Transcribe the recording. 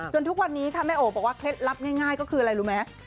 จนทุกวันนี้แม่โอ๊วบอกว่าเคล็ดลับง่ายก็คืออะไร